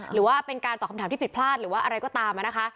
หรือว่าเป็นการตอบคำถามที่ผิดพลาดหรือว่าอะไรก็ตามนะคะ